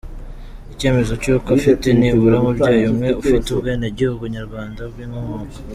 Icyemezo cy’uko afite nibura umubyeyi umwe ufite ubwenegihugu nyarwanda bw’inkomoko